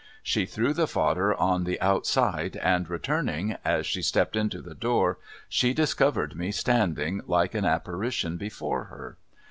She threw the fodder on the outside and returning, as she stepped into the door, she discovered me standing, like an apparition, before her.